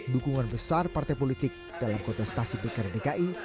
dukungan besar partai politik dalam kontestasi pilkada dki